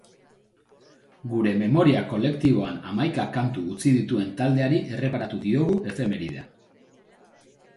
Gure memoria kolektiboan hamaika kantu utzi dituen taldeari erreparatu diogu efemeridean.